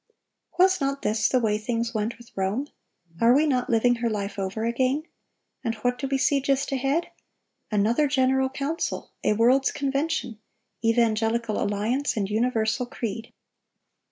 Was not this the way things went with Rome? Are we not living her life over again? And what do we see just ahead? Another general council! A world's convention! Evangelical alliance, and universal creed!"